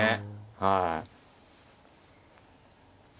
はい。